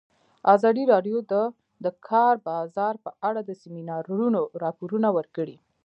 ازادي راډیو د د کار بازار په اړه د سیمینارونو راپورونه ورکړي.